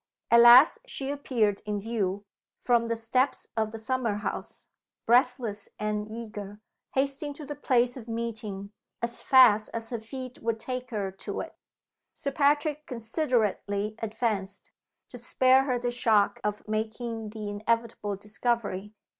At last she appeared in view, from the steps of the summer house; breathless and eager, hasting to the place of meeting as fast as her feet would take her to it. Sir Patrick considerately advanced, to spare her the shock of making the inevitable discovery.